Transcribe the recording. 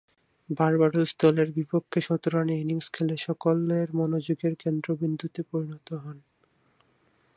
Barbados দলের বিপক্ষে শতরানের ইনিংস খেলে সকলের মনোযোগের কেন্দ্রবিন্দুতে পরিণত হন।